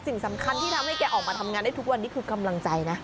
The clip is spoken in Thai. สิ่งสำคัญที่ทำให้แกออกมาทำงานได้ทุกวันนี้คือกำลังใจนะ